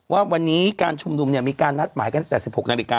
ว่าวันนี้การชุมนุมมีการนัดหมายกันตั้งแต่๑๖นาฬิกา